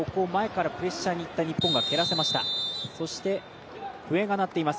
そして、笛が鳴っています。